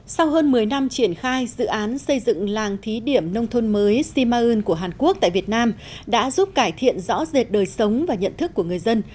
sau hơn một mươi năm triển khai dự án xây dựng làng thí điểm nông thôn mới si ma un của hàn quốc tại việt nam đã giúp cải thiện rõ rệt đời sống và nhận thức của người dân